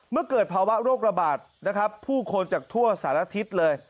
เมื่อเกิดภาวะโรคระบาดนะครับผู้คนจากทั่วสารทิศเลย